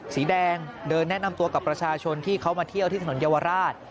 สีแดงเดินแนะนำตัวกับประชาชนที่เขามาเที่ยวที่ถนนเยาวราช